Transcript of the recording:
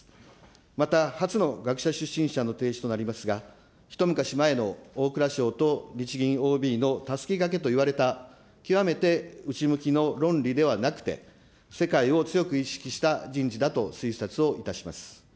また初の学者出身者のとなりますが、一昔前の大蔵省と日銀ＯＢのたすきがけといわれた、極めて内向きの論理ではなくて、世界を強く意識した人事だと推察をいたします。